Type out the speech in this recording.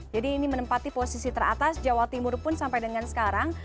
jadi ini menempati posisi teratas jawa timur pun sampai dengan sekarang